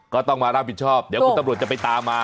ก็ต้องมารับผิดชอบเดี๋ยวคุณตำรวจจะไปตามมา